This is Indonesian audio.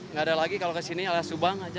nggak ada lagi kalau ke sini arah subang saja